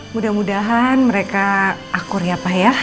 mudah mudahan mereka akur ya pak ya